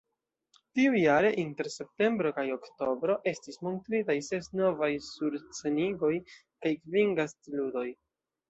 Tiujare, inter septembro kaj oktobro, estis montritaj ses novaj surscenigoj kaj kvin gastludoj.